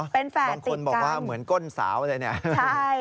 เป็นแฝดติดกันบางคนบอกว่าเหมือนก้นสาวเลย